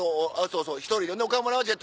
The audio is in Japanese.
そうそう１人。